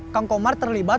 kang komar terlibat